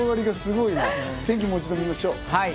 天気をもう一度見ましょう。